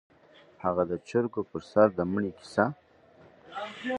_هغه د چرګو پر سر د مړي کيسه؟